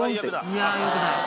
いやよくない。